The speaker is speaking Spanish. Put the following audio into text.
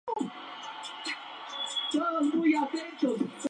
Ese mismo año fue jefe del Regimiento de Granaderos a Caballo General San Martín.